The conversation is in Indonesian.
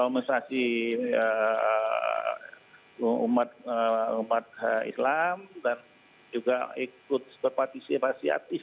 harmonisasi umat islam dan juga ikut seperti partisipasi artis